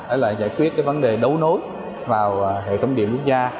hay là giải quyết cái vấn đề đấu nối vào hệ thống điện quốc gia